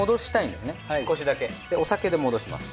でお酒で戻します。